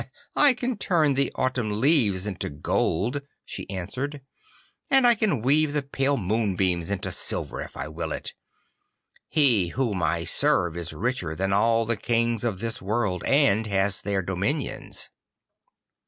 'I can turn the autumn leaves into gold,' she answered, 'and I can weave the pale moonbeams into silver if I will it. He whom I serve is richer than all the kings of this world, and has their dominions.